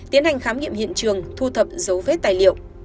tiến hành khám nghiệm hiện trường thu thập dấu vết tài liệu